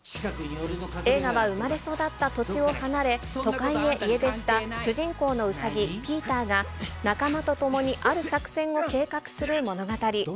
映画は生まれ育った土地を離れ、都会へ家出した主人公のウサギ、ピーターが、仲間と共にある作戦を計画する物語。